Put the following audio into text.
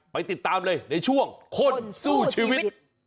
ไปติดตามเลยในช่วงคนสู้ชีวิต